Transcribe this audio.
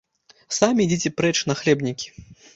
Самі ідзіце прэч, нахлебнікі!